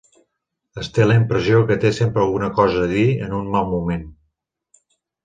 Es té la impressió que té sempre alguna cosa a dir en un mal moment.